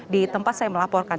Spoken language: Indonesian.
di tempat saya melaporkan